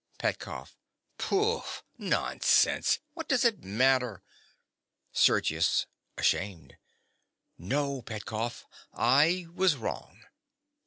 PETKOFF. Pooh! nonsense! what does it matter? SERGIUS. (ashamed). No, Petkoff: I was wrong.